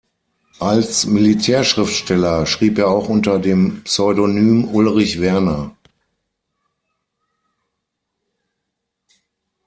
Als Militärschriftsteller schrieb er auch unter dem Pseudonym Ulrich Werner.